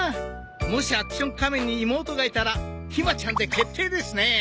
もしアクション仮面に妹がいたらひまちゃんで決定ですね！